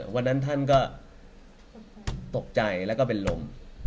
วันนั้นท่านก็ตกใจแล้วก็เป็นลม